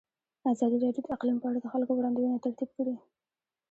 ازادي راډیو د اقلیم په اړه د خلکو وړاندیزونه ترتیب کړي.